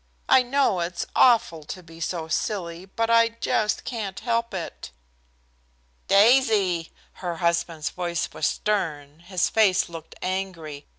I know it's awful to be so silly, but I just can't help it." "Daisy!" Her husband's voice was stern, his face looked angry.